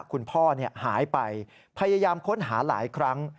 คุณพ่อหายไปพยายามค้นหาหลายครั้ง